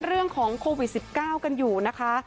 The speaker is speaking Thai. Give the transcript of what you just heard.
เรื่องของโควิด๑๙กันอยู่นะคะ